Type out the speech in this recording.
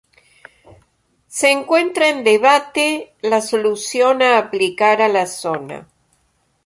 Se encuentra en debate la solución a aplicar a la zona.